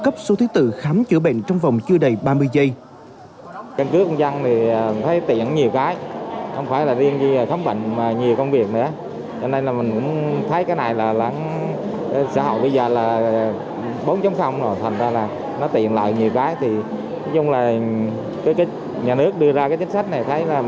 nhân viên y tế tiếp nhận cấp số thứ tự khám chữa bệnh trong vòng chưa đầy ba mươi giây